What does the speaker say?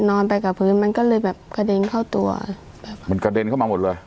นอนไปกับพื้นมันก็เลยแบบกระเด็นเข้าตัวแบบมันกระเด็นเข้ามาหมดเลย